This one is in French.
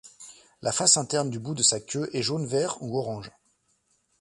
La face interne du bout de sa queue est jaune-vert ou orange.